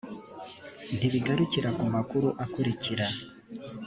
ntibigarukira ku makuru akurikira